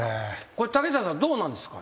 これ竹下さんどうなんですか？